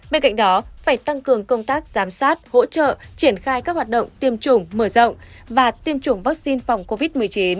bên cạnh đó phải tăng cường công tác giám sát hỗ trợ triển khai các hoạt động tiêm chủng mở rộng và tiêm chủng vaccine phòng covid một mươi chín